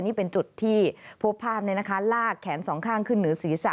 นี่เป็นจุดที่พบภาพลากแขนสองข้างขึ้นเหนือศีรษะ